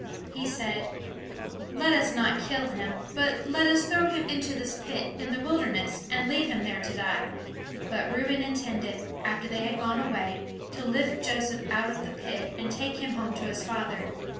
He said: "Let us not kill him, but let us throw him into this pit, in the wilderness, and leave him there to die." But Reuben intended, after they had gone away, to lift Joseph out of the pit, and take him home to his father.